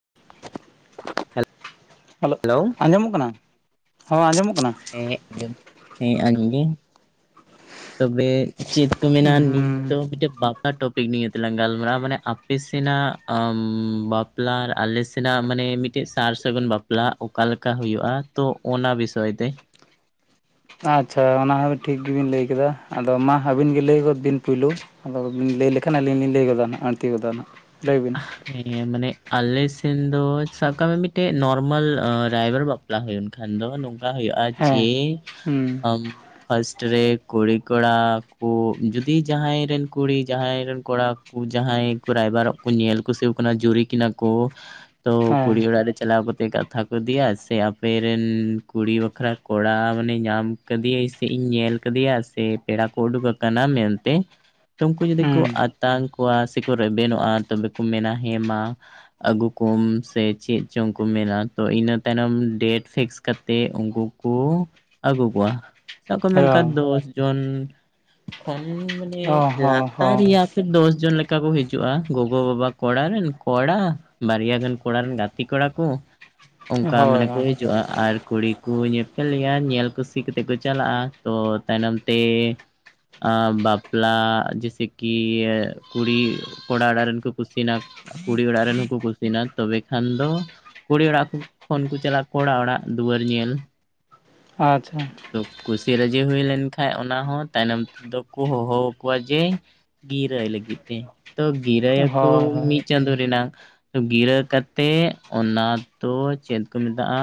[unintelligible] Hello ᱟᱸᱡᱚᱢᱚᱜ ᱠᱟᱱᱟ ᱦᱮ ᱟᱸᱡᱚᱢᱚᱜ ᱠᱟᱱᱟ ᱦᱮᱸ ᱦᱮᱸ ᱟᱡᱚᱢ ᱵᱤᱱ ᱛᱚᱵᱮ ᱪᱮᱫ ᱠᱚ ᱢᱮᱱᱟ ᱦᱩᱸ ᱱᱤᱛ ᱫᱚ ᱢᱤᱫᱴᱮᱱ ᱴᱚᱯᱤᱠ ᱱᱤᱭᱟᱹ ᱛᱮᱞᱟᱝ ᱜᱟᱞᱢᱟᱨᱟᱜ ᱟ ᱢᱟᱱᱮ ᱟᱯᱮ ᱥᱮᱱᱟᱜ ᱵᱟᱯᱞᱟ ᱟᱨ ᱟᱞᱮ ᱥᱮᱱᱟᱜ ᱢᱟᱱᱮ ᱢᱤᱫ ᱢᱤᱫᱴᱮᱱ ᱥᱟᱨ ᱥᱟᱹᱜᱩᱱ ᱵᱟᱯᱞᱟ ᱚᱠᱟ ᱞᱮᱠᱟ ᱦᱩᱭᱩᱜ-ᱟ ᱛᱚ ᱚᱱᱟ ᱵᱤᱥᱚᱭ ᱛᱮ ᱟᱪᱪᱷᱟ ᱚᱱᱟ ᱦᱚᱸ ᱴᱷᱤᱠ ᱜᱮᱵᱤᱱ ᱞᱟᱹᱭ ᱠᱮᱫᱟ ᱟᱫᱚ ᱢᱟ ᱟᱹᱵᱤᱱ ᱜᱮ ᱞᱟᱹᱭ ᱜᱚᱫ ᱫᱤᱱ ᱯᱩᱭᱞᱩ ᱟᱫᱚ ᱵᱤᱱ ᱞᱟᱹᱭ ᱞᱮᱠᱷᱟᱱ ᱟᱹᱞᱤᱧ ᱞᱤᱧ ᱞᱟᱹᱭ ᱜᱚᱫᱟ ᱦᱟᱸᱜ ᱟᱹᱬᱛᱤ ᱜᱚᱫᱟ ᱦᱟᱸᱜ ᱞᱟᱹᱭ ᱵᱤᱱ ᱦᱮᱸ ᱢᱟᱱᱮ ᱟᱞᱮ ᱥᱮᱱ ᱫᱚ ᱥᱟᱵ ᱠᱟᱜ ᱢᱮ ᱢᱤᱫᱴᱮᱡ ᱱᱚᱨᱢᱟᱞ ᱨᱟᱭᱵᱟᱨ ᱵᱟᱯᱞᱟ ᱵᱟᱯᱞᱟ ᱦᱩᱭ ᱞᱮᱱ ᱠᱷᱟᱱ ᱫᱚ ᱱᱚᱝᱠᱟ ᱦᱩᱭᱩᱜᱼᱟ ᱡᱮ ᱦᱮᱸ ᱦᱩᱸ ᱟᱢ ᱯᱷᱟᱥᱴ ᱨᱮ ᱠᱩᱲᱤ ᱠᱚᱲᱟ ᱠᱚ ᱡᱩᱫᱤ ᱡᱟᱦᱟᱸᱭ ᱨᱮᱱ ᱠᱩᱲᱤ ᱡᱟᱦᱟᱸᱭ ᱨᱮᱱ ᱠᱚᱲᱟ ᱡᱟᱦᱟᱸᱭ ᱠᱚ ᱨᱟᱭᱵᱟᱨᱚᱜ ᱠᱚ ᱧᱮᱞ ᱠᱩᱥᱤ ᱠᱟᱱᱟ ᱡᱩᱨᱤ ᱠᱤᱱᱟ ᱠᱚ ᱛᱚ ᱦᱮᱸ ᱠᱩᱲᱤ ᱚᱲᱟᱜ ᱨᱮ ᱪᱟᱞᱟᱣ ᱠᱟᱛᱮᱜ ᱠᱟᱛᱷᱟ ᱠᱚ ᱤᱫᱤᱭᱟ ᱥᱮ ᱟᱯᱮ ᱨᱮᱱ ᱠᱩᱲᱤ ᱵᱟᱠᱷᱨᱟ ᱠᱚᱲᱟ ᱢᱟᱱᱮ ᱧᱟᱢ ᱠᱟᱫᱮᱭᱟᱭ ᱥᱮ ᱤᱧ ᱧᱮᱞ ᱠᱟᱫᱮᱭᱟ ᱥᱮ ᱯᱮᱲᱟ ᱠᱚ ᱩᱰᱩᱠ ᱟᱠᱟᱱᱟ ᱢᱮᱱᱛᱮ ᱛᱚ ᱩᱱᱠᱩ ᱡᱩᱫᱤ ᱠᱚ ᱦᱩᱸ ᱟᱛᱟᱝ ᱠᱚᱣᱟ ᱥᱮᱠᱚ ᱨᱮᱵᱮᱱᱚᱜᱼᱟ ᱛᱚᱵᱮ ᱠᱚ ᱢᱮᱱᱟ ᱦᱮᱸ ᱢᱟ ᱟᱹᱜᱩ ᱠᱚᱢ ᱥᱮ ᱪᱮᱫ ᱪᱚᱝ ᱠᱚ ᱢᱮᱱᱟ ᱛᱚ ᱤᱱᱟᱹ ᱛᱟᱭᱱᱚᱢ ᱰᱮᱴ ᱯᱷᱤᱠᱥ ᱠᱟᱛᱮᱫ ᱩᱱᱠᱩ ᱠᱚ ᱟᱹᱜᱩ ᱠᱚᱣᱟ ᱥᱟᱵ ᱠᱚ ᱢᱮ ᱦᱮᱸ ᱠᱷᱟᱱ ᱫᱚᱥ ᱡᱚᱱ ᱠᱷᱚᱱ ᱮ ᱚ ᱦᱚᱸ ᱞᱟᱛᱟᱨ ᱦᱚᱸ ᱨᱮᱭᱟᱜ ᱯᱷᱤᱨ ᱫᱚᱥ ᱡᱚᱱ ᱞᱮᱠᱟ ᱠᱚ ᱦᱤᱡᱩᱜᱼᱟ ᱜᱚᱜᱚ ᱵᱟᱵᱟ ᱠᱚᱲᱟ ᱨᱮᱱ ᱠᱚᱲᱟ ᱵᱟᱨᱭᱟ ᱜᱟᱱ ᱠᱚᱲᱟ ᱨᱮᱱ ᱜᱟᱛᱮ ᱠᱚᱲᱟ ᱠᱚ ᱚᱱᱠᱟ ᱦᱳᱭ ᱢᱟᱱᱮ ᱦᱳᱭ ᱦᱤᱡᱩᱜᱼᱟ ᱟᱨ ᱠᱩᱲᱤ ᱠᱚ ᱧᱮᱯᱮᱞᱮᱭᱟ ᱧᱮᱞ ᱠᱩᱥᱤ ᱠᱟᱛᱮ ᱠᱚ ᱪᱟᱞᱟᱜ-ᱟ ᱛᱚ ᱛᱟᱭᱱᱚᱢ ᱛᱮ ᱟ ᱵᱟᱯᱞᱟ ᱡᱮᱥᱮ ᱠᱤ ᱠᱩᱲᱤ ᱠᱚᱲᱟ ᱚᱲᱟᱜ ᱨᱮᱱ ᱠᱚ ᱠᱩᱥᱤᱭᱱᱟ ᱠᱩᱲᱤ ᱚᱲᱟᱜ ᱨᱮᱱ ᱦᱚᱸᱠᱚ ᱠᱩᱥᱤᱭᱱᱟ ᱛᱚᱵᱮ ᱠᱷᱟᱱ ᱫᱚ ᱠᱩᱲᱤ ᱚᱲᱟᱜ ᱠᱷᱚᱱ ᱠᱚ ᱪᱟᱞᱟᱜ-ᱟ ᱠᱚᱲᱟ ᱚᱲᱟᱜ ᱫᱩᱣᱟᱹᱨ ᱧᱮᱞ ᱟᱪᱪᱷᱟ ᱛᱚ ᱠᱩᱥᱤ ᱨᱟᱹᱡᱤ ᱦᱩᱭ ᱞᱮᱱᱠᱷᱟᱡ ᱚᱱᱟ ᱦᱚᱸ ᱛᱟᱭᱱᱚᱢ ᱛᱮᱫᱚ ᱠᱚ ᱦᱚᱦᱚ ᱟᱠᱚᱣᱟ ᱡᱮ ᱜᱤᱨᱟᱹᱭ ᱞᱟᱹᱜᱤᱫ ᱛᱮ ᱛᱚ ᱜᱤᱨᱟᱹᱭ ᱭᱟ ᱠᱚ ᱦᱳᱭ ᱦᱳᱭ ᱢᱤᱫ ᱪᱟᱸᱫᱳ ᱨᱮᱱᱟᱜ ᱜᱤᱨᱟᱹ ᱠᱟᱛᱮᱜ ᱚᱱᱟ ᱫᱚ ᱪᱮᱫ ᱠᱚ ᱢᱮᱛᱟᱜ-ᱟ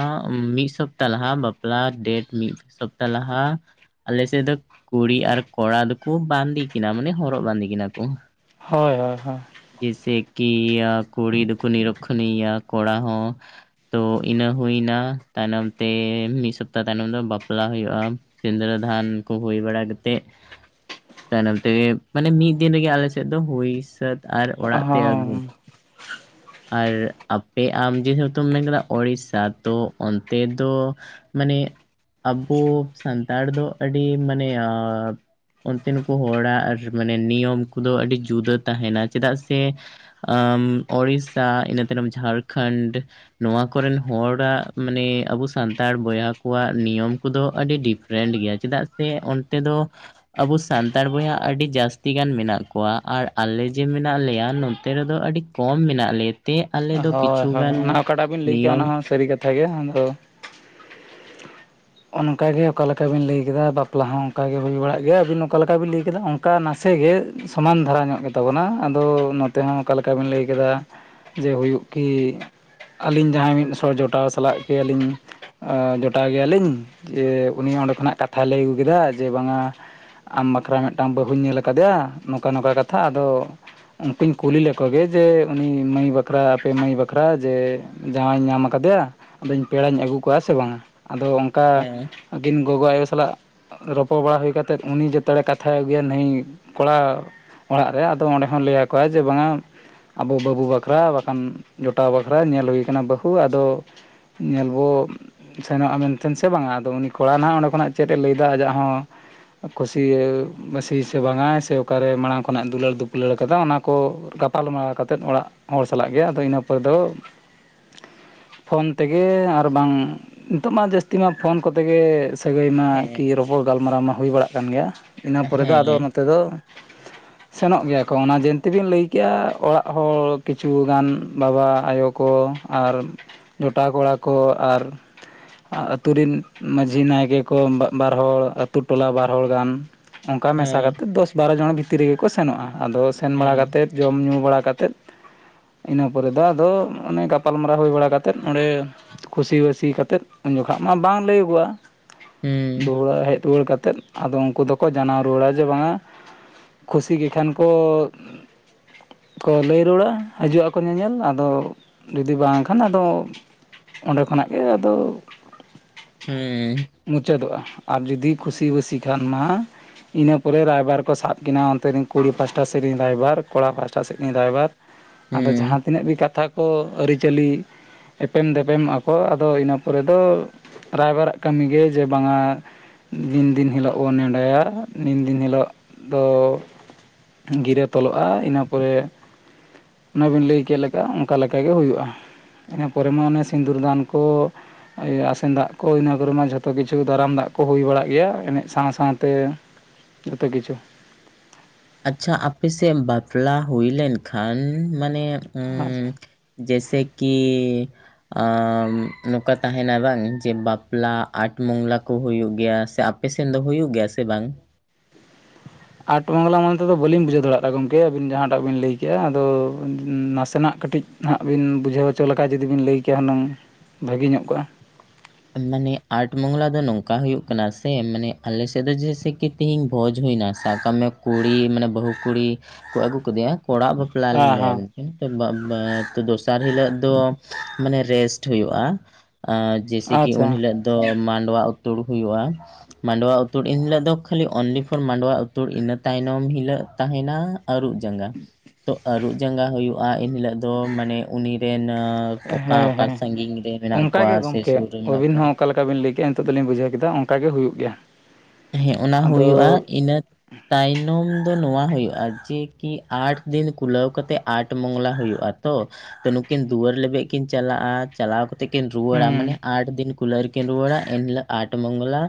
ᱢᱤᱫ ᱥᱚᱯ ᱛᱟ ᱞᱟᱦᱟ ᱵᱟᱯᱞᱟ ᱰᱮᱴ ᱢᱤᱫ ᱥᱚᱯᱛᱟ ᱞᱟᱦᱟ ᱟᱞᱮ ᱥᱮᱫ ᱫᱚ ᱠᱩᱲᱤ ᱟᱨ ᱠᱚᱲᱟ ᱫᱚᱠᱚ ᱵᱟᱸᱫᱮ ᱠᱤᱱᱟ ᱢᱟᱱᱮ ᱦᱚᱨᱚᱜ ᱵᱟᱸᱫᱮ ᱠᱤᱱᱟ ᱠᱚ ᱚ ᱦᱚ ᱡᱮᱥᱮ ᱠᱤ ᱠᱚᱲᱤ ᱫᱚᱠᱩ ᱱᱤᱨᱚᱠᱠᱷᱩᱱᱤ ᱟ ᱠᱚᱲᱟ ᱦᱚᱸ ᱛᱚ ᱤᱱᱟᱹ ᱦᱩᱭ ᱮᱱᱟ ᱛᱟᱭᱱᱚᱢ ᱛᱮ ᱢᱤᱫ ᱥᱚᱯᱛᱟ ᱛᱟᱭᱱᱚᱢ ᱫᱚ ᱵᱟᱯᱞᱟ ᱦᱳᱭᱳᱜ-ᱟ ᱥᱤᱸᱫᱽᱨᱟᱹᱫᱟᱱ ᱠᱚ ᱦᱩᱭ ᱵᱟᱲᱟ ᱠᱟᱛᱮᱫ ᱛᱟᱭᱱᱚᱢ ᱛᱮᱜᱮ ᱢᱟᱱᱮ ᱢᱤᱫ ᱫᱤᱱ ᱨᱮᱜᱮ ᱟᱞᱮ ᱥᱮᱫ ᱫᱚ ᱦᱩᱭ ᱥᱟᱹᱛ ᱟᱨ ᱚᱲᱟᱜ ᱛᱮ ᱦᱚᱸ ᱟᱹᱜᱩ ᱟᱨ ᱟᱯᱮ ᱟᱢ ᱡᱮᱦᱮᱛᱩᱢ ᱢᱮᱱ ᱠᱮᱫᱟ ᱳᱲᱤᱥᱟ ᱛᱚ ᱚᱱᱛᱮ ᱫᱚ ᱢᱟᱱᱮ ᱟᱵᱚ ᱥᱟᱱᱛᱟᱲ ᱫᱚ ᱟᱹᱰᱤ ᱢᱟᱱᱮ ᱚᱱᱛᱮᱱ ᱠᱚ ᱦᱚᱲᱟᱜ ᱢᱟᱱᱮ ᱱᱤᱭᱚᱢ ᱠᱚᱫᱚ ᱟᱹᱰᱤ ᱡᱩᱫᱟᱹ ᱛᱟᱦᱮᱱᱟ ᱪᱮᱫᱟᱜ ᱥᱮ ᱟ ᱳᱲᱤᱥᱟ ᱤᱱᱟᱹ ᱛᱟᱭᱱᱚᱢ ᱡᱷᱟᱲᱠᱷᱚᱸᱰ ᱱᱚᱣᱟ ᱠᱚᱨᱮᱱ ᱦᱚᱲᱟᱜ ᱢᱟᱱᱮ ᱟᱵᱚ ᱥᱟᱱᱛᱟᱲ ᱵᱚᱭᱦᱟ ᱠᱚᱣᱟᱜ ᱱᱤᱭᱚᱢ ᱠᱚᱫᱚ ᱟᱹᱰᱤ ᱰᱤᱯᱷ ᱨᱮᱱᱰ ᱜᱮᱭᱟ ᱪᱮᱫᱟᱜ ᱥᱮ ᱚᱱᱛᱮ ᱫᱚ ᱟᱵᱚ ᱥᱟᱱᱛᱟᱲ ᱵᱚᱭᱦᱟ ᱟᱹᱰᱤ ᱡᱟᱹᱥᱛᱤ ᱜᱟᱱ ᱢᱮᱱᱟᱜ ᱠᱚᱣᱟ ᱟᱨ ᱟᱞᱮ ᱡᱮ ᱢᱮᱱᱟᱜ ᱞᱮᱭᱟ ᱱᱚᱛᱮ ᱨᱮᱫᱚ ᱟᱹᱰᱤ ᱠᱚᱢ ᱢᱮᱱᱟᱜ ᱞᱮᱭᱟ ᱦᱚᱭ ᱦᱚᱭ ᱚᱱᱟ ᱚᱠᱟᱴᱟᱜ ᱵᱤᱱ ᱞᱟᱹᱭ ᱠᱮᱫ-ᱟ ᱱᱤᱭᱚᱢ ᱚᱱᱟ ᱦᱚᱸ ᱥᱟᱹᱨᱤ ᱠᱟᱛᱷᱟ ᱜᱮ ᱟᱫᱚ ᱚᱱᱠᱟ ᱜᱮ ᱚᱠᱟ ᱞᱮᱠᱟᱠᱟ ᱵᱤᱱ ᱞᱟᱹᱭ ᱠᱮᱫᱟ ᱵᱟᱯᱞᱟ ᱦᱚᱸ ᱚᱱᱠᱟ ᱜᱮ ᱦᱩᱭ ᱵᱟᱲᱟᱜ ᱜᱮᱭᱟ ᱟᱹᱵᱤᱱ ᱚᱠᱟ ᱞᱮᱠᱟ ᱵᱤᱱ ᱞᱟᱹᱭ ᱠᱮᱫᱟ ᱚᱱᱠᱟ ᱚᱱᱠᱟ ᱱᱟᱥᱮᱜ ᱜᱮ ᱥᱚᱢᱟᱱ ᱫᱷᱟᱨᱟ ᱧᱚᱜ ᱜᱮᱛᱟ ᱵᱚᱱᱟ ᱟᱫᱚ ᱱᱚᱛᱮ ᱦᱚᱸ ᱚᱠᱟᱠᱟᱵᱤᱱ ᱞᱟᱹᱭ ᱠᱮᱫᱟ ᱡᱮ ᱦᱩᱭᱩᱜ ᱠᱤ ᱟᱹᱞᱤᱧ ᱡᱟᱦᱟᱸᱭ ᱢᱤᱫ ᱥᱚ ᱡᱚᱴᱟᱣ ᱡᱚᱴᱟᱣ ᱥᱟᱞᱟᱜ ᱠᱤ ᱟᱞᱤᱧ ᱡᱚᱴᱟᱣ ᱜᱮᱭᱟᱞᱤᱧ ᱡᱮ ᱩᱱᱤ ᱚᱸᱰᱮ ᱠᱷᱚᱱᱟᱜ ᱠᱟᱛᱷᱟᱭ ᱞᱟᱹᱭ ᱟᱹᱜᱩ ᱠᱮᱫᱟ ᱡᱮ ᱵᱟᱝᱟ ᱟᱢ ᱵᱟᱠᱷᱨᱟ ᱢᱤᱫᱴᱟᱱ ᱵᱟᱹᱦᱩᱧ ᱧᱮᱞ ᱟᱠᱟᱫᱮᱭᱟ ᱱᱚᱝᱠᱟ ᱱᱚᱝᱠᱟ ᱠᱟᱛᱷᱟ ᱟᱫᱚ ᱩᱱᱠᱩᱧ ᱠᱩᱞᱤ ᱞᱮᱠᱚᱜᱮ ᱡᱮ ᱩᱱᱤ ᱢᱟᱹᱭ ᱵᱟᱠᱷᱨᱟ ᱟᱯᱮ ᱢᱟᱹᱭ ᱵᱟᱠᱷᱨᱟ ᱡᱮ ᱡᱟᱶᱟᱭᱤᱧ ᱧᱟᱢ ᱟᱠᱟᱫᱮᱭᱟ ᱟᱫᱚᱧ ᱯᱮᱲᱟᱧ ᱟᱹᱜᱩ ᱠᱚᱣᱟ ᱥᱮ ᱵᱟᱝᱟ ᱟᱫᱚ ᱚᱱᱠᱟ ᱦᱮᱸ ᱟᱹᱠᱤᱱ ᱜᱚᱜᱚ ᱟᱭᱳ ᱥᱟᱞᱟᱜ ᱨᱚᱯᱚᱲ ᱵᱟᱲᱟ ᱦᱩᱭ ᱠᱟᱛᱮᱫ ᱩᱱᱤ ᱡᱚᱛᱚ ᱡᱟᱹᱛᱲᱮ ᱠᱟᱛᱷᱟᱭ ᱟᱹᱜᱩᱭᱟ ᱱᱟᱹᱭ ᱠᱚᱲᱟ ᱚᱲᱟᱜ ᱨᱮ ᱟᱫᱚ ᱚᱸᱰᱮ ᱦᱚᱸ ᱞᱟᱹᱭ ᱟᱠᱚᱣᱟ ᱡᱮ ᱵᱟᱝᱟ ᱟᱵᱚ ᱵᱟᱹᱵᱩ ᱵᱟᱠᱷᱨᱟ ᱵᱟᱠᱷᱟᱱ ᱡᱚᱴᱟᱣ ᱵᱟᱠᱷᱨᱟ ᱧᱮᱞ ᱦᱩᱭ ᱠᱟᱱᱟ ᱵᱟᱹᱦᱩ ᱟᱫᱚ ᱧᱮᱞᱵᱚ ᱥᱮᱱᱚᱜᱼᱟ ᱢᱮᱱ ᱛᱮᱫ ᱥᱮ ᱵᱟᱝᱟ ᱟᱫᱚ ᱩᱱᱤ ᱠᱚᱲᱟ ᱱᱟᱦᱟᱜ ᱚᱸᱰᱮ ᱠᱷᱚᱱᱟᱜ ᱪᱮᱫ ᱮ ᱞᱟᱹᱭ ᱮᱫᱟ ᱟᱡᱟᱜ ᱦᱚᱸ ᱠᱩᱥᱤ ᱵᱟᱹᱥᱤ ᱥᱮ ᱵᱟᱝᱟ ᱥᱮ ᱚᱠᱟᱨᱮ ᱢᱟᱲᱟᱝ ᱠᱷᱚᱱᱟᱜ ᱫᱩᱞᱟᱹᱲ ᱫᱩᱯᱩᱞᱟᱹᱲ ᱟᱠᱟᱫᱟ ᱚᱱᱟ ᱠᱚ ᱜᱟᱯᱟᱞ ᱢᱟᱨᱟᱣ ᱠᱟᱛᱮᱫ ᱚᱲᱟᱜ ᱦᱚᱲ ᱥᱟᱞᱟᱜ ᱜᱮ ᱟᱫᱚ ᱤᱱᱟᱹ ᱯᱚᱨᱮ ᱫᱚ [unintelligible] ᱯᱷᱳᱱ ᱛᱮᱜᱮ ᱟᱨ ᱵᱟᱝ ᱱᱤᱛᱚᱜ ᱢᱟ ᱡᱟᱹᱥᱛᱤ ᱡᱟᱹᱛᱤ ᱢᱟ ᱯᱷᱳᱱ ᱠᱚᱛᱮ ᱜᱮ ᱥᱟᱹᱜᱟᱹᱭ ᱢᱟ ᱟᱨᱠᱤ ᱦᱮᱸ ᱨᱚᱯᱚᱲ ᱜᱟᱞᱢᱟᱨᱟᱣ ᱢᱟ ᱦᱩᱭ ᱵᱟᱲᱟᱜ ᱠᱟᱱ ᱜᱮᱭᱟ ᱤᱱᱟᱹ ᱯᱚᱨᱮ ᱫᱚ ᱟᱫᱚ ᱦᱮᱸ ᱱᱚᱛᱮ ᱫᱚ [unintelligible] ᱥᱮᱱᱚᱜ ᱜᱮᱭᱟ ᱠᱚ ᱚᱱᱟ ᱡᱤᱱᱛᱤᱵᱤᱱ ᱞᱟᱹᱭ ᱠᱮᱜᱼᱟ ᱚᱲᱟᱜ ᱦᱚᱲ ᱠᱤᱪᱷᱩ ᱜᱟᱱ ᱵᱟᱵᱟ ᱟᱭᱳ ᱠᱚ ᱟᱨ ᱡᱚᱴᱟᱣ ᱠᱚᱲᱟ ᱠᱚ ᱟᱨ ᱟᱹᱛᱩ ᱨᱮᱱ ᱢᱟᱺᱡᱷᱤ ᱱᱟᱭᱠᱮ ᱠᱚ ᱵᱟᱨ ᱦᱚᱲ ᱟᱹᱛᱩ ᱴᱚᱞᱟ ᱵᱟᱨ ᱦᱚᱲ ᱜᱟᱱ ᱚᱱᱠᱟ ᱢᱮᱥᱟ ᱦᱮᱸ ᱠᱟᱛᱮᱫ ᱫᱚᱥ ᱵᱟᱨᱚ ᱡᱚᱱ ᱵᱷᱤᱛᱤᱨ ᱨᱮᱜᱮᱠᱚ ᱥᱮᱱᱚᱜᱼᱟ ᱟᱫᱚ ᱥᱮᱱ ᱵᱟᱲᱟ ᱦᱮᱸ ᱠᱟᱛᱮᱫ ᱡᱚᱢ ᱧᱩ ᱵᱟᱲᱟ ᱠᱟᱛᱮᱫ ᱤᱱᱟᱹ ᱯᱚᱨᱮ ᱫᱚ ᱟᱫᱚ ᱚᱱᱮ ᱜᱟᱯᱟᱞ ᱢᱟᱨᱟᱣ ᱦᱳᱭ ᱵᱟᱲᱟ ᱠᱟᱛᱮᱫ ᱚᱸᱲᱮ ᱠᱩᱥᱤᱵᱟᱹᱥᱤ ᱠᱟᱛᱮᱫ ᱩᱱ ᱡᱚᱠᱷᱚᱜ ᱢᱟ ᱵᱟᱝ ᱞᱟᱹᱭᱜᱚᱜᱼᱟ ᱦᱩᱸ ᱟᱫᱚ ᱚᱲᱟᱜ ᱦᱮᱡ ᱨᱩᱣᱟᱹᱲ ᱠᱟᱛᱮᱫ ᱟᱫᱚ ᱩᱱᱠᱩ ᱫᱚᱠᱚ ᱡᱟᱱᱟᱣ ᱨᱩᱣᱟᱹᱲᱟ ᱡᱮ ᱵᱟᱝᱟ ᱠᱷᱩᱥᱤ ᱜᱮ ᱠᱷᱟᱱ ᱠᱚ ᱠᱚ ᱞᱟᱹᱭ ᱨᱩᱣᱟᱹᱲᱟ ᱦᱤᱡᱩᱜ ᱟᱠᱚ ᱧᱮᱧᱮᱞ ᱟᱫᱚ ᱡᱩᱫᱤ ᱵᱟᱝ ᱠᱷᱟᱱ ᱟᱫᱚ ᱚᱸᱰᱮ ᱠᱷᱚᱱᱟᱜ ᱜᱮ ᱟᱫᱚ ᱦᱩᱸ ᱢᱩᱪᱟᱹᱫᱚᱜᱼᱟ ᱟᱨ ᱡᱩᱫᱤ ᱠᱷᱩᱥᱤ ᱵᱟᱹᱥᱤ ᱠᱷᱟᱱ ᱢᱟ ᱤᱱᱟᱹ ᱯᱚᱨᱮ ᱨᱟᱭᱵᱟᱨ ᱠᱚ ᱥᱟᱵ ᱠᱤᱱᱟᱹ ᱚᱱᱛᱮᱨᱮᱱ ᱠᱩᱲᱤ ᱯᱟᱥᱴᱟ ᱥᱮ ᱨᱮᱱ ᱨᱟᱭᱵᱟᱨ ᱠᱚᱲᱟ ᱯᱟᱥ ᱯᱟᱥᱴᱟ ᱥᱮᱫ ᱨᱮᱱ ᱨᱟᱭᱵᱟᱨ ᱟᱫᱚ ᱦᱩᱸ ᱡᱟᱦᱟᱸ ᱛᱤᱱᱟᱹᱜ ᱜᱮ ᱠᱟᱛᱷᱟ ᱠᱚ ᱟᱹᱨᱤ ᱪᱟᱹᱞᱤ ᱮᱯᱮᱢᱼ ᱫᱮᱯᱮᱢᱚᱜ ᱟᱠᱚ ᱟᱫᱚ ᱤᱱᱟᱹ ᱯᱚᱨᱮ ᱫᱚ ᱨᱟᱭᱵᱟᱨᱼᱟᱜ ᱠᱟᱹᱢᱤᱜᱮ ᱡᱮ ᱵᱟᱝᱟ ᱫᱤᱱ ᱫᱤᱱ ᱦᱤᱞᱳᱜ ᱵᱚ ᱱᱮᱰᱟᱭᱼᱟ ᱱᱤᱱ ᱫᱤᱱ ᱦᱤᱞᱳᱜ ᱫᱚ ᱜᱤᱨᱟᱹ ᱛᱚᱞᱚᱜᱼᱟ ᱤᱱᱟᱹ ᱯᱚᱨᱮ ᱚᱱᱟᱵᱤᱱ ᱞᱟᱹᱭ ᱠᱮᱜ ᱞᱮᱠᱟ ᱚᱱᱠᱟ ᱞᱮᱠᱟᱮᱜ ᱦᱩᱭᱩᱜᱼᱟ ᱤᱱᱟᱹ ᱯᱚᱨᱮ ᱢᱟ ᱚᱱᱮ ᱥᱤᱸᱫᱩᱨ ᱫᱟᱱ ᱠᱚ ᱤᱭᱟᱹ ᱟᱥᱮᱱ ᱫᱟᱜ ᱠᱚ ᱤᱱᱟᱹ ᱠᱚᱨᱮ ᱢᱟ ᱡᱷᱚᱛᱚ ᱠᱤᱪᱷᱩ ᱫᱟᱨᱟᱢ ᱫᱟᱜ ᱠᱚ ᱦᱩᱭ ᱵᱟᱲᱟᱜ ᱜᱮᱭᱟ ᱮᱱᱮᱡ ᱥᱟᱶ ᱥᱟᱶᱛᱮ ᱡᱚᱛᱚ ᱠᱤᱪᱷᱩ ᱟᱪᱪᱷᱟ ᱟᱯᱮ ᱥᱮᱫ ᱵᱟᱯᱞᱟ ᱦᱩᱭ ᱞᱮᱱᱠᱷᱟᱱ ᱢᱟᱱᱮᱼᱼ ᱟᱪᱪᱷᱟ ᱡᱮᱥᱮ ᱠᱤᱼᱼ [unintelligible] ᱱᱚᱠᱟ ᱛᱟᱦᱮᱱᱟ ᱵᱟᱝ ᱡᱮ ᱵᱟᱯᱞᱟ ᱟᱴ ᱢᱚᱝᱞᱟ ᱠᱚ ᱦᱩᱭᱩᱜ ᱜᱮᱭᱟ ᱥᱮ ᱟᱯᱮᱥᱮᱱ ᱫᱚ ᱦᱩᱭᱩᱜ ᱜᱮᱭᱟ ᱥᱮ ᱵᱟᱝ ᱟᱨᱴ ᱵᱟᱝᱞᱟ ᱢᱚᱱᱮ ᱛᱮᱫᱚ ᱵᱟᱹᱞᱤᱧ ᱵᱩᱡᱷᱟᱹᱣ ᱫᱟᱲᱮᱭᱟᱜᱼᱟ ᱜᱚᱢᱠᱮ ᱟᱹᱵᱤᱱ ᱡᱟᱦᱟᱸᱴᱟᱜ ᱵᱤᱱ ᱞᱟᱹᱭ ᱠᱮᱜᱼᱟ ᱟᱫᱚ ᱱᱟᱥᱮᱱᱟᱜ ᱠᱟᱹᱴᱤᱡ ᱱᱟᱦᱟᱜ ᱵᱤᱱ ᱵᱩᱡᱷᱟᱹᱣ ᱦᱚᱪᱚ ᱞᱮᱠᱟ ᱡᱩᱫᱤᱵᱤᱱ ᱞᱟᱹᱭ ᱠᱮᱭᱟ ᱦᱩᱱᱟᱹᱝ ᱵᱷᱟᱹᱜᱤ ᱧᱚᱜ ᱠᱚᱜᱼᱟ ᱢᱟᱱᱮ ᱟᱴ ᱢᱚᱝᱞᱟ ᱫᱚ ᱱᱚᱝᱠᱟ ᱦᱩᱭᱩᱜ ᱠᱟᱱᱟ ᱥᱮ ᱢᱟᱱᱮ ᱟᱞᱮᱥᱮᱫ ᱫᱚ ᱡᱮᱥᱮᱠᱤ ᱛᱤᱦᱤᱧ ᱵᱷᱚᱡᱽ ᱦᱩᱭᱱᱟ ᱥᱟᱵ ᱠᱟᱜ ᱢᱮ ᱠᱩᱲᱤ ᱢᱟᱱᱮ ᱵᱟᱹᱦᱩ ᱠᱩᱲᱤ ᱠᱚ ᱟᱹᱜᱩ ᱠᱮᱫᱮᱭᱟ ᱠᱚᱲᱟᱜ ᱦᱮᱸ ᱵᱟᱯᱞᱟᱞᱤᱧ ᱦᱮᱸ ᱞᱟᱹᱭᱟᱵᱤᱱ ᱚᱱᱤ ᱛᱚ ᱵᱟᱵ ᱵᱟ ᱫᱚᱥᱟᱨ ᱦᱤᱞᱳᱜ ᱫᱚ ᱢᱟᱱᱮ ᱨᱮᱥᱴ ᱦᱩᱭᱩᱜᱼᱟ ᱟ ᱡᱮᱭᱥᱮ ᱠᱤ ᱟᱪᱪᱷᱟ ᱩᱱ ᱦᱤᱞᱳᱜ ᱫᱚ ᱢᱟᱰᱣᱟ ᱩᱛᱩᱲ ᱦᱩᱭᱩᱜᱼᱟ ᱢᱟᱰᱣᱟ ᱩᱛᱩᱲ ᱮᱱᱦᱤᱞᱳᱜ ᱫᱚ ᱠᱷᱟᱹᱞᱤ ᱚᱱᱞᱤ ᱯᱷᱚᱨ ᱢᱟᱰᱣᱟ ᱩᱛᱩᱲ ᱤᱱᱟᱹ ᱛᱟᱭᱱᱚᱢ ᱦᱤᱞᱳ ᱛᱟᱦᱮᱱᱟ ᱟᱹᱨᱩᱵ ᱡᱟᱸᱜᱟ ᱛᱚ ᱟᱹᱨᱩᱵ ᱡᱟᱸᱜᱟ ᱦᱩᱭᱩᱜᱼᱟ ᱮᱱᱦᱤᱞᱳᱜ ᱫᱚ ᱢᱟᱱᱮ ᱩᱱᱤᱨᱮᱱᱼᱼ ᱚᱠᱟ ᱦᱮᱸ ᱚᱠᱟ ᱦᱮᱸ ᱥᱟᱺᱜᱤᱧ ᱨᱮ ᱢᱮᱱᱟᱜ ᱠᱚᱣᱟ ᱚᱱᱠᱟᱜᱮ ᱥᱮ ᱜᱚᱢᱠᱮ ᱥᱩᱨ ᱨᱮ ᱢᱮᱱᱟᱜ ᱟᱹᱵᱤᱱ ᱠᱚᱣᱟ ᱦᱚᱸ ᱚᱠᱟᱞ ᱞᱮᱠᱟ ᱵᱤᱱ ᱞᱟᱹᱭᱠᱮᱜᱼᱟ ᱱᱤᱛᱚᱜ ᱫᱚᱞᱤᱧ ᱵᱩᱡᱷᱟᱹᱣ ᱠᱮᱫᱟ ᱚᱱᱠᱟ ᱜᱮ ᱦᱩᱭᱩᱜ ᱜᱮᱭᱟ ᱦᱮᱸ ᱚᱱᱟ ᱟᱫᱚ ᱦᱩᱭᱩᱜᱼᱟ ᱤᱱᱟᱹ ᱛᱟᱭᱱᱚᱢ ᱫᱚ ᱱᱚᱣᱟ ᱦᱩᱭᱩᱜᱼᱟ ᱡᱮ ᱠᱤ ᱟᱴ ᱫᱤᱱ ᱠᱩᱞᱟᱹᱣ ᱠᱟᱛᱮ ᱟᱴ ᱢᱚᱝᱞᱟ ᱦᱩᱭᱩᱜᱼᱟ ᱛᱚ ᱛᱚ ᱱᱩᱠᱤᱱ ᱫᱩᱣᱟᱹᱨ ᱞᱟᱹᱜᱤᱫᱵ ᱠᱤᱱ ᱪᱟᱞᱟᱜᱼᱟ ᱪᱟᱞᱟᱣ ᱠᱟᱛᱮᱫ ᱠᱤᱱ ᱨᱩᱣᱟᱹᱲᱟ ᱦᱩᱸ ᱢᱟᱱᱮ ᱟᱴ ᱫᱤᱱ ᱠᱩᱞᱟᱨ ᱠᱤᱱ ᱨᱩᱣᱟᱹᱲᱟ ᱮᱱ ᱦᱤᱞᱚᱜ ᱟᱴ ᱢᱚᱝᱞᱟ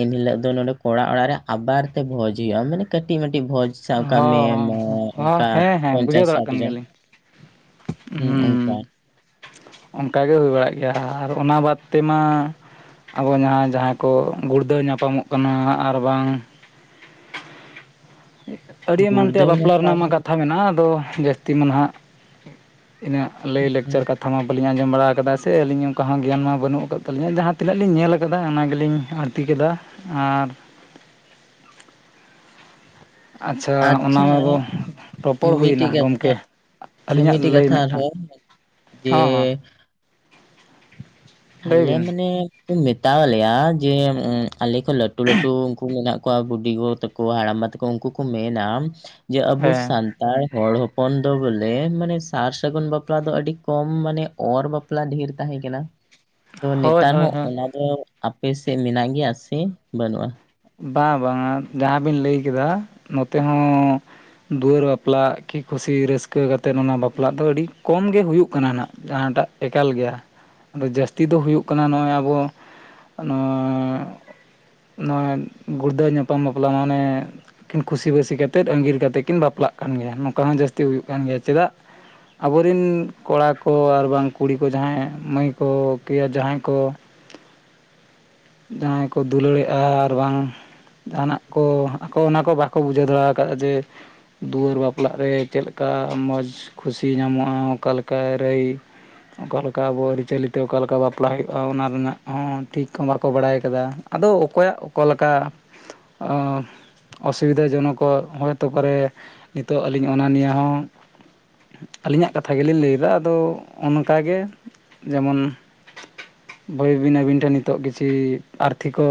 ᱮᱱ ᱦᱤᱞᱚᱜ ᱟᱫᱚ ᱱᱚᱰᱮ ᱠᱚᱲᱟ ᱚᱲᱟᱜ ᱨᱮ ᱟᱵᱟᱨ ᱛᱮ ᱵᱷᱚᱡᱽ ᱦᱩᱭᱩᱜᱼᱟ ᱢᱟᱱᱮ ᱠᱟᱹᱴᱤᱡ ᱢᱴᱤᱡ ᱵᱷᱚᱡᱽ ᱥᱟᱵᱠᱟᱜ ᱢᱮ ᱦᱚᱸ ᱦᱚᱸ ᱚᱱᱠᱟ ᱦᱮᱸ ᱦᱮᱸ ᱯᱚᱧᱪᱟᱥ ᱥᱟᱴ ᱡᱚᱱ ᱦᱮᱸ ᱦᱸ ᱚᱱᱠᱟ ᱚᱱᱠᱟᱟᱜᱮ ᱦᱩᱭ ᱵᱟᱲᱟᱜ ᱜᱮᱭᱟ ᱟᱨ ᱚᱱᱟ ᱵᱟᱫ ᱛᱮᱢᱟ ᱟᱵᱚ ᱡᱟᱦᱟᱸ ᱡᱟᱦᱟᱸᱭ ᱠᱚ ᱜᱩᱲᱫᱟᱹᱣ ᱧᱟᱯᱟᱢᱚᱜ ᱠᱟᱱᱟ ᱟᱨᱵᱟᱝ ᱟᱹᱰᱤ ᱮᱢᱟᱱ ᱜᱩᱲᱫᱟᱹᱣ ᱛᱮᱭᱟᱜ ᱵᱟᱯᱞᱟ ᱨᱮᱱᱟᱜ ᱧᱟᱯᱟᱢ ᱢᱟ ᱠᱟᱛᱷᱟ ᱢᱮᱱᱟᱜᱼᱟ ᱟᱫᱚ ᱡᱟᱹᱥᱛᱤ ᱢᱟ ᱱᱟᱦᱟᱜ ᱤᱱᱟᱹᱜ ᱞᱟᱹᱭ ᱞᱮᱠᱪᱟᱨ ᱠᱟᱛᱷᱟ ᱠᱟᱛᱷᱟ ᱢᱟ ᱵᱟᱹᱞᱤ ᱟᱸᱡᱚᱢ ᱵᱟᱲᱟ ᱟᱠᱟᱫᱟ ᱥᱮ ᱟᱹᱞᱤᱧ ᱚᱱᱠᱟ ᱦᱚᱸ ᱜᱮᱭᱟᱱ ᱢᱟ ᱵᱟᱹᱱᱩᱜ ᱟᱠᱟᱫ ᱛᱟᱹᱧ ᱡᱟᱦᱟᱸ ᱛᱱᱟᱹᱜ ᱞᱤᱧ ᱧᱮᱞ ᱟᱠᱟᱫᱟ ᱚᱱᱟ ᱜᱮᱞᱤᱧ ᱛᱤ ᱠᱮᱫᱟ ᱟᱨ ᱚᱱᱟ ᱟᱪᱪᱷᱟ ᱢᱟᱵᱚ ᱨᱚᱯᱚᱲ ᱦᱩᱭᱱᱟ ᱢᱤᱴᱤᱡ ᱜᱚᱢᱠᱮ [unintelligible] ᱦᱮᱸ ᱟᱹᱞᱤᱧᱟᱜ ᱢᱤᱫᱴᱮᱡ ᱞᱟᱹᱭ ᱠᱟᱛᱷᱦ ᱢᱤᱫᱴᱟᱝ ᱟᱨᱦᱚᱸ ᱡᱮᱼ ᱦᱚᱸ ᱦᱚᱸ ᱞᱟᱹᱭ ᱟᱞᱮ ᱵᱤᱱ ᱢᱟᱱᱮ ᱠᱚ ᱢᱮᱛᱟᱞᱮᱭᱟ ᱡᱮ ᱟᱞᱮ ᱠᱚ ᱞᱟᱴᱩ ᱞᱴᱩ ᱩᱱᱠᱩ ᱢᱮᱱᱟᱜ ᱠᱚ ᱵᱩᱰᱤ ᱜᱚ ᱛᱟᱠᱚ ᱦᱟᱲᱟᱢ ᱵᱟ ᱛᱟᱠᱚ ᱩᱱᱠᱩ ᱠᱚ ᱢᱮᱱᱟ ᱡᱮ ᱟᱵᱚ ᱦᱮᱸ ᱥᱟᱱ ᱼᱼ ᱛᱟᱨ ᱦᱚᱲ ᱦᱚᱯᱚᱱ ᱫᱚ ᱵᱚᱞᱮ ᱢᱟᱱᱮ ᱥᱟᱨ ᱥᱟᱹᱜᱩᱱ ᱵᱟᱯᱞᱟ ᱫᱚ ᱟᱹᱰᱤ ᱠᱚᱢ ᱢᱟᱱᱮ ᱚᱨ ᱵᱟᱯᱞᱟ ᱰᱷᱮᱨ ᱛᱟᱦᱮᱸ ᱠᱟᱱᱟ ᱛᱚ ᱦᱳᱭ ᱱᱮᱛᱟᱨ ᱦᱳᱭ ᱦᱚᱸ ᱦᱳᱭ ᱚᱱᱟ ᱫᱚ ᱟᱯᱮᱥᱮᱫ ᱢᱮᱱᱟᱜ ᱜᱮᱭᱟ ᱥᱮ ᱵᱟᱹᱱᱩᱜᱼᱟ? ᱵᱟᱝ ᱵᱟᱝ ᱟ ᱡᱟᱦᱟᱸᱵᱤᱱ ᱞᱟᱹᱭ ᱠᱮᱫᱟ ᱱᱚᱛᱮ ᱦᱚᱸ ᱫᱩᱣᱟᱹᱨ ᱵᱟᱯᱞᱟᱜ ᱠᱤ ᱠᱩᱥᱤ ᱨᱟᱹᱥᱠᱟᱹ ᱠᱟᱛᱮᱫ ᱚᱱᱟ ᱵᱟᱯᱞᱟᱜ ᱫᱚ ᱟᱹᱰᱤ ᱠᱚᱢ ᱜᱮ ᱦᱩᱭᱩᱜ ᱠᱟᱱᱟ ᱱᱟᱜ ᱡᱟᱦᱟᱸᱴᱟᱜ ᱮᱠᱟᱞ ᱜᱮᱭᱟ ᱟᱫᱚ ᱡᱟᱹᱥᱛᱤ ᱫᱚ ᱦᱩᱭᱩᱜ ᱠᱟᱱᱟ ᱱᱚᱜᱼᱚᱭ ᱟᱵᱚ ᱱᱚᱣᱟᱜ ᱱᱚᱜᱼᱚᱭ ᱜᱩᱲᱫᱟᱹ ᱧᱟᱯᱟᱢ ᱵᱟᱯᱞᱟ ᱢᱟᱱᱮ ᱟᱠᱤᱱ ᱠᱩᱥᱤᱵᱟᱹᱥᱤ ᱠᱟᱛᱮᱫ ᱟᱸᱜᱤᱨ ᱠᱟᱛᱮᱫ ᱠᱤᱱ ᱵᱟᱯᱞᱟᱜ ᱠᱟᱱ ᱜᱮᱭᱟ ᱱᱚᱝᱠᱟ ᱦᱚᱸ ᱡᱟᱹᱥᱛᱤ ᱦᱩᱭᱩᱜ ᱠᱟᱱ ᱜᱮᱭᱟ ᱪᱮᱫᱟᱜ ᱟᱵᱚᱨᱤᱱ ᱠᱚᱲᱟ ᱠᱚ ᱟᱨ ᱵᱟᱝ ᱠᱩᱲᱤ ᱠᱚ ᱡᱟᱦᱟᱸᱭ ᱢᱟᱹᱭ ᱠᱚ ᱠᱤᱭᱟ ᱡᱟᱦᱟᱸᱭ ᱠᱚ [inaudible] ᱡᱟᱦᱟᱸᱭ ᱠᱚ ᱫᱩᱞᱟᱹᱲᱮᱜᱼᱟ ᱟᱨ ᱵᱟᱝ ᱡᱟᱦᱟᱱᱟᱜ ᱠᱚ ᱟᱠᱚ ᱚᱱᱟ ᱠᱚ ᱵᱟᱠᱚ ᱵᱩᱡᱷᱟᱹᱣ ᱫᱟᱲ ᱟᱠᱟᱫᱟᱼᱟ ᱡᱮ ᱫᱩᱣᱟᱹᱨ ᱵᱟᱯᱞᱟᱜ ᱨᱮ ᱪᱮᱫ ᱞᱮᱠᱟ ᱢᱚᱡᱽ ᱠᱷᱩᱥᱤ ᱧᱟᱢᱚᱜᱼᱟ ᱚᱠᱟᱞᱮᱠᱟᱭ ᱨᱮᱹᱭ ᱚᱠᱟ ᱞᱮᱠᱟ ᱟᱵᱚ ᱟᱹᱨᱤᱪᱟᱹᱞᱤᱛᱮ ᱚᱠᱟ ᱞᱮᱠᱟ ᱵᱟᱯᱞᱟ ᱦᱩᱭᱩᱜᱼᱟ ᱚᱱᱟ ᱨᱮᱱᱟᱜ ᱦᱚᱸ ᱴᱷᱤᱠ ᱦᱚᱸ ᱵᱟᱠᱚ ᱵᱟᱲᱟᱭ ᱟᱠᱟᱫᱟ ᱟᱫᱚ ᱚᱠᱚᱭᱟᱜ ᱚᱠᱟᱞᱮᱠᱟ ᱚᱥᱩᱵᱤᱫᱷᱟ ᱡᱚᱱᱚᱠᱚᱜ ᱦᱚᱭᱛᱳ ᱯᱟᱨᱮ ᱱᱤᱛᱚᱜ ᱟᱹᱞᱤᱧ ᱚᱱᱟ ᱱᱤᱭᱮ ᱦᱚᱸ ᱟᱹᱞᱤᱧᱟᱜ ᱠᱟᱛᱷᱟ ᱜᱮᱞᱤᱧ ᱞᱟᱹᱭᱫᱟ ᱟᱫᱚ ᱚᱱᱠᱟᱜᱮ ᱡᱮᱢᱚᱱ ᱵᱳᱭᱵᱤᱱ ᱟᱹᱵᱤᱱ ᱴᱷᱮᱱ ᱱᱤᱛᱚᱜ ᱠᱤᱪᱷᱤᱩ ᱟᱨᱛᱷᱤᱠᱚ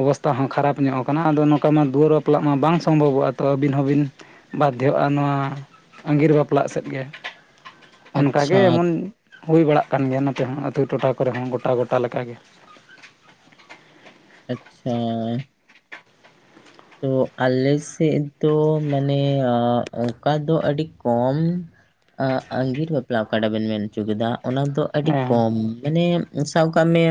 ᱚᱵᱚᱥᱛᱟ ᱦᱚᱸ ᱠᱷᱟᱨᱟᱯ ᱧᱚᱜ ᱠᱟᱱᱟ ᱟᱫᱚ ᱱᱚᱝᱠᱟ ᱢᱟ ᱫᱩᱣᱟᱹᱨ ᱵᱟᱯᱞᱟᱜ ᱢᱟ ᱵᱟᱝ ᱥᱚᱢᱵᱷᱚᱵᱚᱜᱼᱟ ᱛᱚ ᱟᱹᱵᱤᱱ ᱦᱚᱸᱵᱤᱱ ᱵᱟᱫᱽᱫᱷᱚᱜᱼᱟ ᱱᱚᱣᱟ ᱟᱸᱜᱤᱨ ᱵᱟᱯᱞᱟᱜ ᱥᱮᱫ ᱜᱮ ᱟᱪᱪᱷᱟ ᱚᱱᱠᱟᱜᱮ ᱮᱢᱚᱱ ᱦᱩᱭ ᱵᱟᱲᱟᱜ ᱠᱟᱱ ᱜᱮᱭᱟ ᱱᱚᱛᱮ ᱦᱚᱸ ᱟᱹᱛᱩ ᱴᱚᱴᱷᱟ ᱠᱚᱨᱮ ᱦᱚᱸ ᱜᱚᱴᱟ ᱜᱚᱴᱟ ᱞᱮᱠᱟᱜᱮ ᱟᱪᱪᱷᱟ ᱛᱚ ᱟᱞᱮ ᱥᱮᱫ ᱫᱚ ᱢᱟᱱᱮ ᱚᱱᱠᱟ ᱫᱚ ᱟᱹᱰᱤ ᱠᱚᱢ ᱟᱜᱤᱨ ᱵᱟᱯᱞᱟ ᱚᱠᱟᱴᱟ ᱵᱮᱱ ᱢᱮᱱ ᱦᱚᱪᱚ ᱠᱮᱫᱟ ᱚᱱᱟ ᱫᱚ ᱟᱹᱰᱤ ᱦᱮᱸ ᱠᱚᱢ ᱢᱟᱱᱮ ᱥᱟᱵ ᱠᱟᱜᱢᱮ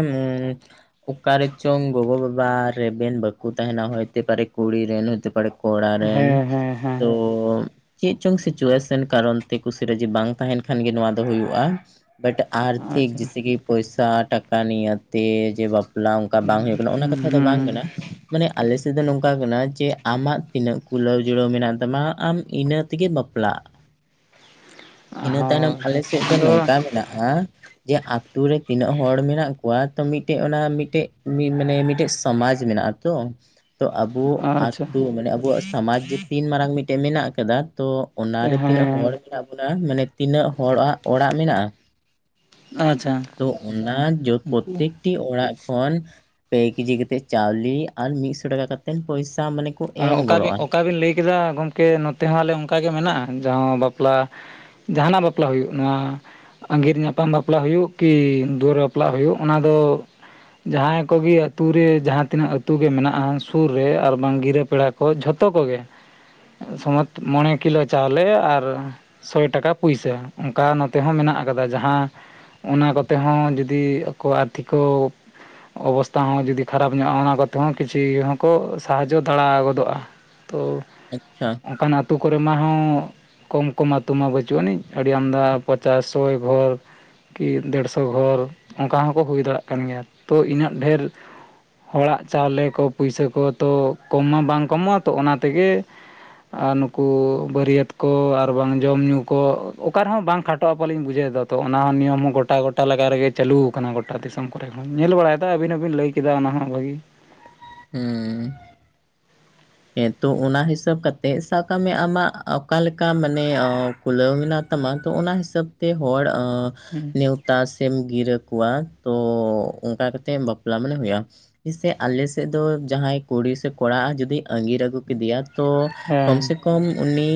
ᱚᱠᱟᱨᱮ ᱪᱚᱝ ᱜᱚᱜᱚ ᱵᱟᱵᱟ ᱨᱮᱵᱮᱱ ᱵᱟᱠᱚ ᱛᱟᱦᱮᱱᱟ ᱦᱚᱭᱛᱮ ᱯᱟᱨᱮ ᱠᱩᱲᱤ ᱨᱮᱱ ᱦᱚᱛᱮ ᱯᱟᱨᱮ ᱠᱚᱲᱟ ᱦᱮᱸ ᱨᱮᱱ ᱦᱮᱸ ᱦᱮᱸ ᱛᱚ ᱪᱮᱫ ᱪᱚᱝ ᱥᱤᱪᱩᱭᱮᱥᱚᱱ ᱠᱟᱨᱚᱱ ᱛᱮ ᱠᱩᱥᱤ ᱨᱟᱹᱡᱤ ᱵᱟᱝ ᱛᱟᱦᱮᱱ ᱠᱷᱟᱱ ᱜᱮ ᱱᱚᱣᱟ ᱫᱚ ᱦᱩᱭᱩᱜᱭᱼᱟ ᱵᱟᱴ ᱟᱨᱛᱷᱤᱠ ᱟᱪᱪᱷᱟ ᱡᱮᱥᱮ ᱠᱤ ᱯᱚᱭᱥᱟ ᱴᱟᱠᱟ ᱱᱤᱭᱟᱹ ᱛᱮ ᱡᱮ ᱵᱟᱯ ᱵᱟᱯᱞᱟ ᱚᱱᱠᱟ ᱵᱟᱝ ᱦᱩᱭᱩᱜ ᱠᱟᱱᱟ ᱚᱱᱟ ᱠᱟᱛᱷᱟ ᱫᱚ ᱵᱟᱝ ᱦᱩᱸ ᱠᱟᱱᱟ ᱢᱟᱱᱮ ᱟᱞᱮ ᱥᱮᱫ ᱫᱚ ᱱᱚᱝ ᱚᱱᱠᱟ ᱠᱟᱱᱟ ᱡᱮ ᱟᱢᱟᱜ ᱛᱤᱱᱟᱹᱜ ᱠᱩᱞᱟᱹᱣ ᱡᱩᱲᱟᱹᱣ ᱢᱮᱱᱟᱜ ᱛᱟᱢᱟ ᱟᱢ ᱤᱱᱟᱹ ᱛᱮᱜᱮ ᱵᱟᱯᱞᱟᱜ [unintelligible] ᱤᱱᱟᱹ ᱦᱳᱭ ᱛᱟᱭᱱᱚᱢ ᱟᱞᱮ ᱥᱮᱫ ᱫᱚ ᱟᱫᱚ ᱱᱚᱝᱠᱟ ᱢᱮᱱᱟᱜ-ᱟ ᱡᱮ ᱟᱛᱩᱨ ᱨᱮ ᱛᱤᱱᱟᱹᱜ ᱦᱚᱲ ᱢᱮᱱᱟᱜ ᱠᱚᱣᱟ ᱠᱚᱣᱟ ᱢᱤᱫᱴᱮᱡ ᱚᱱᱟ ᱢᱤᱫᱴᱮᱡ ᱢᱟᱱᱮ ᱢᱤᱫᱴᱮᱡ ᱥᱚᱢᱟᱡᱽ ᱢᱮᱱᱟᱜ ᱟ ᱛᱚ ᱛᱚ ᱟᱵᱚ ᱟᱪᱪᱷᱟ ᱟᱛᱩ ᱢᱟᱱᱮ ᱟᱵᱚᱣᱟᱜ ᱥᱚᱢᱟᱡᱽ ᱡᱮ ᱛᱤᱱ ᱢᱟᱨᱟᱝ ᱢᱤᱫᱴᱮᱱ ᱢᱮᱱᱟᱜ ᱟᱠᱟᱫᱟ ᱛᱚ ᱚᱱᱟ ᱨᱮ ᱛᱤᱱᱟᱹᱜ ᱦᱚᱲ ᱦᱮᱸ ᱢᱮᱱᱟᱜ ᱵᱚᱱᱟ ᱢᱟᱱᱮ ᱛᱤᱱᱟᱹᱜ ᱦᱚᱲᱟᱜ ᱚᱲᱟᱜ ᱢᱮᱱᱟᱜ-ᱟ ᱟᱪᱪᱷᱟ ᱛᱚ ᱚᱱᱟ ᱡᱚ ᱯᱨᱚᱛᱮᱠ ᱯᱚᱨᱛᱤ ᱚᱲᱟᱜ ᱠᱷᱚᱱ ᱯᱮ ᱠᱮᱡᱤ ᱠᱟᱛᱮᱜ ᱪᱟᱣᱞᱤᱮ ᱟᱨ ᱢᱤᱫᱥᱚ ᱴᱟᱠᱟ ᱠᱟᱛᱮ ᱛᱮᱱ ᱯᱚᱭᱥᱟ ᱢᱟᱱᱮ ᱠᱚ ᱮᱢ ᱚᱠᱟ ᱵᱤᱱ ᱜᱚᱲᱚᱜ-ᱟ ᱚᱠᱟ ᱵᱤᱱ ᱞᱟᱹᱭ ᱠᱮᱫᱟ ᱜᱚᱢᱠᱮ ᱱᱚᱛᱮ ᱦᱚᱸ ᱟᱞᱮ ᱚᱱᱠᱟᱜᱮ ᱢᱮᱱᱟᱜ-ᱟ ᱡᱟᱦᱟᱸ ᱵᱟᱯᱞᱟ ᱡᱟᱦᱟᱱᱟᱜ ᱵᱟᱯᱞᱟ ᱦᱩᱭᱩᱜ ᱱᱚᱣᱟ ᱟᱸᱜᱤᱨ ᱧᱟᱯᱟᱢ ᱵᱟᱯᱞᱟ ᱦᱩᱭᱩᱜ ᱠᱤ ᱫᱩᱣᱟᱹᱨ ᱵᱟᱯᱞᱟ ᱦᱩᱭᱩᱜ ᱚᱱᱟ ᱫᱚ ᱡᱟᱦᱟᱸᱭ ᱠᱚᱜᱮ ᱟᱛᱩ ᱨᱮ ᱡᱟᱦᱟᱸ ᱛᱤᱱᱟᱹᱜ ᱟᱹᱛᱩ ᱜᱮ ᱢᱮᱱᱟᱜ-ᱟ ᱥᱩᱨ ᱨᱮ ᱟᱨ ᱵᱟᱝ ᱜᱤᱨᱟᱹᱯ ᱯᱮᱲᱟ ᱠᱚ ᱡᱷᱚᱛᱚ ᱠᱚᱜᱮ ᱥᱚᱢᱚᱛ ᱢᱚᱬᱮ ᱠᱤᱞᱳ ᱪᱟᱣᱞᱮ ᱟᱨ ᱥᱚᱭ ᱴᱟᱠᱟ ᱯᱩᱭᱥᱟ ᱚᱱᱠᱟ ᱱᱚᱛᱮ ᱦᱚᱸ ᱢᱮᱱᱟᱜ ᱟᱠᱟᱫᱟ ᱡᱟᱦᱟᱸ ᱚᱱᱟ ᱠᱚᱛᱮ ᱦᱚᱸ ᱡᱩᱫᱤ ᱟᱠᱚ ᱟᱨᱛᱷᱤᱠᱚ ᱚᱵᱚᱥᱛᱟ ᱦᱚᱸ ᱡᱩᱫᱤ ᱠᱷᱟᱨᱟᱯ ᱧᱚᱜ-ᱟ ᱚᱱᱟ ᱠᱚᱛᱮ ᱦᱚᱸ ᱠᱤᱪᱷᱤ ᱦᱚᱸᱠᱚ ᱥᱟᱦᱟᱡᱚᱫ ᱫᱟᱬᱟᱣ ᱜᱚᱫᱚᱜ-ᱟ ᱛᱚ ᱟᱪᱪᱷᱟ ᱚᱱᱠᱟᱱ ᱟᱹᱛᱩ ᱠᱚᱨᱮ ᱢᱟᱦᱚ ᱠᱚᱢ ᱠᱚᱢ ᱟᱹᱛᱩ ᱢᱟ ᱵᱟᱹᱪᱩᱜ ᱟᱹᱱᱤᱡ ᱟᱹᱰᱤ ᱟᱢᱫᱟ ᱯᱚᱪᱟᱥ ᱥᱚᱭ ᱜᱷᱚᱨ ᱠᱤ ᱰᱮᱹᱲᱥᱚ ᱜᱷᱚᱨ ᱚᱱᱠᱟ ᱦᱚᱸ ᱠᱚ ᱦᱩᱭ ᱫᱟᱲᱮᱭᱟᱜ ᱠᱟᱱ ᱜᱮᱭᱟ ᱛᱚ ᱤᱱᱟᱹᱜ ᱰᱷᱮᱨ ᱦᱚᱲᱟᱜ ᱪᱟᱣᱞᱮ ᱠᱚ ᱯᱩᱭᱥᱟᱹ ᱠᱚ ᱛᱚ ᱠᱚᱢ ᱢᱟ ᱵᱟᱝ ᱠᱚᱢᱚᱜ-ᱟ ᱛᱚ ᱚᱱᱟ ᱛᱮᱜᱮ ᱟᱨ ᱱᱩᱠᱩ ᱵᱟᱹᱨᱭᱟᱹᱛ ᱠᱚ ᱟᱨ ᱵᱟᱝ ᱡᱚᱢ ᱧᱩ ᱠᱚ ᱚᱠᱟ ᱨᱮᱦᱚᱸ ᱵᱟᱝ ᱠᱷᱟᱴᱚᱜ-ᱟ ᱯᱟᱞᱤᱧ ᱵᱩᱡᱷᱟᱹᱣ ᱮᱫᱟ ᱛᱚ ᱚᱱᱟ ᱱᱤᱭᱚᱢ ᱦᱚᱸ ᱜᱚᱴᱟ ᱜᱚᱴᱟ ᱞᱟᱜᱟ ᱨᱮᱜᱮ ᱪᱟᱹᱞᱩᱠ ᱟᱠᱟᱱᱟ ᱜᱚᱴᱟ ᱫᱤᱥᱚᱢ ᱠᱚᱨᱮ ᱠᱷᱚᱱ ᱧᱮᱞ ᱵᱟᱲᱟᱭᱮᱫᱟ ᱟᱵᱤᱱ ᱦᱚᱸᱵᱤᱱ ᱞᱟᱹᱭ ᱠᱮᱫᱟ ᱚᱱᱟ ᱦᱚᱸ ᱵᱷᱟᱹᱜᱤ ᱦᱩᱸ ᱦᱮᱸ ᱛᱚ ᱚᱱᱟ ᱦᱤᱥᱟᱹᱵ ᱠᱟᱛᱮᱜ ᱥᱟᱵ ᱠᱟᱜ ᱢᱮ ᱟᱢᱟᱜ ᱚᱠᱟ ᱞᱮᱠᱟ ᱢᱟᱱᱮ ᱠᱷᱩᱞᱟᱹᱣ ᱢᱮᱱᱟᱜ ᱛᱟᱢᱟ ᱛᱚ ᱚᱱᱟ ᱦᱤᱥᱟᱹᱵ ᱛᱮ ᱦᱚᱲ ᱱᱮᱣ ᱛᱟ ᱥᱮ ᱜᱤᱨᱟᱹ ᱠᱚᱣᱟ ᱛᱚ ᱚᱱᱠᱟ ᱠᱟᱛᱮ ᱵᱟᱯᱞᱟ ᱢᱟᱱᱮ ᱦᱩᱭᱩᱜ-ᱟ ᱡᱮᱥᱮ ᱟᱞᱮᱥᱮᱫ ᱫᱚ ᱡᱟᱦᱟᱸᱭ ᱠᱩᱲᱤ ᱥᱮ ᱠᱚᱲᱟ ᱟᱜ ᱡᱩᱫᱤ ᱟᱸᱜᱤᱨ ᱟᱜᱩ ᱠᱤᱫᱤᱭᱟ ᱛᱚ ᱠᱚᱢ ᱦᱮᱸ ᱥᱮ ᱠᱚᱢ ᱩᱱᱤ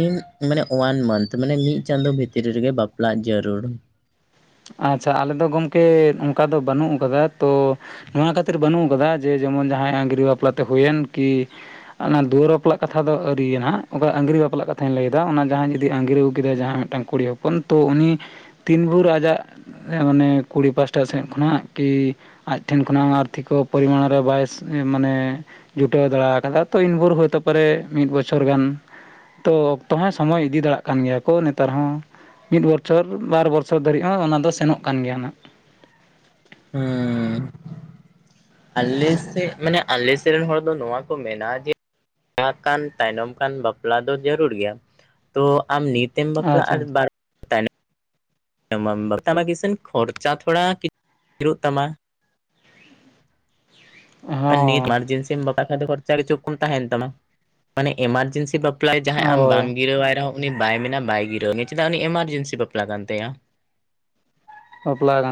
ᱢᱟᱱᱮ ᱳᱭᱟᱱ ᱢᱟᱱᱛᱷ ᱢᱟᱱᱮ ᱢᱤᱫ ᱪᱟᱸᱫᱳ ᱵᱷᱤᱛᱨᱤ ᱨᱮᱜᱮ ᱵᱟᱯᱞᱟᱜ ᱡᱟᱹᱨᱩᱲ ᱟᱪᱪᱷᱟ ᱟᱞᱮ ᱫᱚ ᱜᱚᱝᱠᱮ ᱚᱱᱠᱟ ᱫᱚ ᱵᱟᱹᱱᱩᱜ ᱟᱠᱟᱫᱟ ᱛᱚ ᱱᱚᱣᱟ ᱠᱷᱟᱹᱛᱤᱨ ᱵᱟᱹᱱᱩᱜ ᱟᱠᱟᱫᱟ ᱡᱮ ᱡᱮᱢᱚᱱ ᱡᱟᱦᱟᱸᱭ ᱟᱝᱜᱤᱨᱟᱹ ᱵᱟᱯᱞᱟ ᱛᱮ ᱦᱩᱭᱮᱱ ᱠᱤ ᱚᱱᱟ ᱫᱩᱣᱟᱹᱨ ᱵᱟᱯᱞᱟᱜ ᱠᱟᱛᱷᱟ ᱫᱚ ᱟᱹᱨᱤᱭᱟᱜᱟ ᱚᱠᱟ ᱟᱝᱜᱤᱨ ᱵᱟᱯᱞᱟᱜ ᱠᱟᱛᱷᱟᱧ ᱞᱟᱹᱭ ᱮᱫᱟ ᱚᱱᱟ ᱡᱟᱦᱟᱸᱭ ᱡᱩᱫᱤ ᱟᱝᱜᱤᱨ ᱟᱹᱜᱩ ᱠᱮᱫᱟ ᱡᱟᱦᱟᱸᱭ ᱢᱤᱫᱴᱟᱝ ᱠᱩᱲᱤ ᱦᱚᱯᱚᱱ ᱛᱚ ᱩᱱᱤ ᱛᱤᱱ ᱵᱷᱳᱨ ᱟᱡᱟᱜ ᱚᱱᱮ ᱠᱩᱲᱤ ᱯᱟᱥᱴᱟ ᱥᱮᱫ ᱠᱷᱚᱱᱟᱜ ᱠᱤ ᱟᱡ ᱴᱷᱮᱱ ᱠᱷᱚᱱᱟᱜ ᱟᱨᱛᱷᱤᱠᱚ ᱯᱚᱨᱤᱢᱟᱱ ᱨᱮ ᱵᱟᱭ ᱢᱟᱱᱮ ᱡᱩᱴᱟᱹᱣ ᱫᱟᱲᱮ ᱠᱟᱫᱟ ᱛᱚ ᱤᱱ ᱵᱷᱳᱨ ᱦᱚᱭᱛᱚ ᱯᱚᱨᱮ ᱢᱤᱫ ᱵᱚᱪᱷᱚᱨ ᱜᱟᱱ ᱛᱚ ᱚᱠᱛᱚ ᱦᱚᱸᱭ ᱥᱚᱢᱚᱭ ᱤᱫᱤ ᱫᱟᱲᱮᱭᱟᱜ ᱠᱟᱱ ᱜᱮᱭᱟ ᱠᱚ ᱱᱮᱛᱟᱨ ᱦᱚᱸ ᱢᱤᱫ ᱵᱚᱪᱷᱚᱨ ᱵᱟᱨ ᱵᱚᱪᱷᱚᱨ ᱫᱷᱟᱹᱨᱤᱡ ᱦᱚ ᱚᱱᱟ ᱫᱚ ᱥᱮᱱᱚᱜ ᱠᱟᱱ ᱜᱮᱭᱟ ᱱᱟᱦᱟᱜ ᱦᱮᱸ ᱟᱞᱮ ᱥᱮᱫ ᱢᱟᱱᱮ ᱟᱞᱮᱥᱮᱫ ᱨᱮᱱ ᱦᱚᱲ ᱫᱚ ᱱᱚᱣᱟ ᱠᱚ ᱢᱮᱱᱟ ᱡᱮ ᱠᱟᱱ ᱛᱟᱭᱱᱚᱢ ᱠᱟᱱ ᱵᱟᱯᱞᱟ ᱫᱚ ᱡᱟᱹᱨᱩᱲ ᱜᱮᱭᱟ ᱛᱚ ᱟᱢ ᱱᱤᱛᱮᱢ ᱵᱟᱯᱞᱟᱜ ᱟᱪᱪᱷᱟ ᱟᱨ ᱵᱟᱨ [unintelligible] ᱛᱟᱢᱟ ᱱᱤᱛ ᱦᱚᱸ ᱮᱢᱟᱨᱡᱮᱱᱥᱤᱢ ᱵᱟᱯᱟ ᱫᱚ ᱠᱷᱚᱨᱪᱟ ᱠᱤᱪᱩ ᱠᱚᱢ ᱛᱟᱦᱮᱱ ᱛᱟᱢᱟ ᱢᱟᱱᱮ ᱮᱢᱟᱨᱡᱮᱱᱥᱤ ᱵᱟᱯ ᱵᱟᱯᱞᱟᱭ ᱡᱟᱦᱟᱸᱭ ᱟᱢ ᱦᱳᱭ ᱵᱟᱢ ᱜᱤᱨᱟᱹᱣᱟᱭ ᱨᱮᱦᱚᱸ ᱩᱱᱤ ᱵᱟᱭ ᱢᱮᱱᱟ ᱵᱟᱭ ᱜᱤᱨᱟᱹᱣ ᱪᱮᱫᱟᱜ ᱩᱱᱤ ᱮᱢᱟᱨᱡᱮᱱᱥᱤ ᱵᱟᱯᱞᱟ ᱠᱟᱱ ᱛᱟᱭᱟ᱾ ᱵᱟᱯᱞᱟ ᱠᱟᱱᱟ